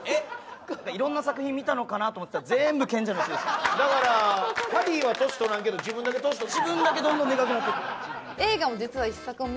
色んな作品見たのかなと思ったら全部「賢者の石」でしただからハリーは年とらんけど自分だけ年とって自分だけどんどんでかくなってくえっ！？